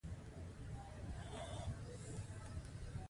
څلورم نهه مسلکي مسؤلیتونه دي.